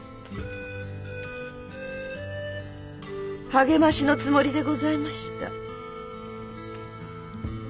励ましのつもりでございました。